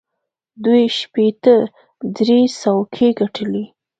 دوی شپېته درې څوکۍ ګټلې.